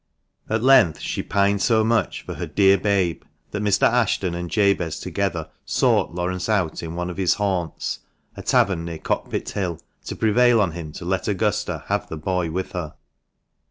At length she pined so much for her " dear babe," that Mr. Ashton and Jabez together sought Laurence out in one of his haunts (a tavern near Cockpit Hill), to prevail on him to let Augusta have her boy with her.